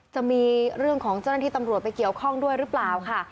จะมีเรื่องของเจ้าหน้าที่ตำรวจไปเกี่ยวข้องด้วยหรือเปล่าค่ะ